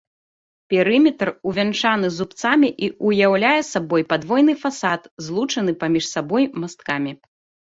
Перыметр увянчаны зубцамі і ўяўляе сабой падвойны фасад, злучаны паміж сабой масткамі.